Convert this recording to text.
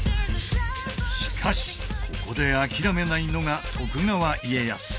しかしここで諦めないのが徳川家康